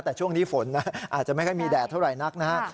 แต่ช่วงนี้ฝนอาจจะไม่ค่อยมีแดดเท่าไหร่นักนะฮะ